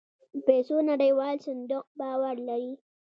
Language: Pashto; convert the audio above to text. پيسو نړيوال صندوق باور لري.